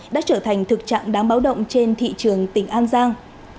đã trở thành thực trạng đáng báo động trên thị trường tỉnh an giang